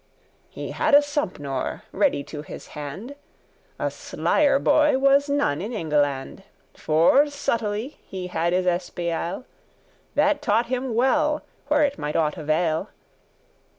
He had a Sompnour ready to his hand, A slier boy was none in Engleland; For subtlely he had his espiaille,* *espionage That taught him well where it might aught avail.